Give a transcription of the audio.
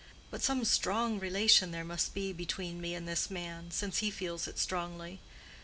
But some strong relation there must be between me and this man, since he feels it strongly.